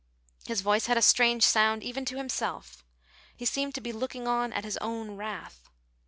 His voice had a strange sound even to himself. He seemed to be looking on at his own wrath.